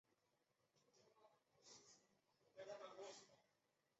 高木浩之西武队职业棒球选手。